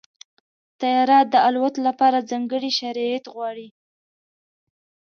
طیاره د الوت لپاره ځانګړي شرایط غواړي.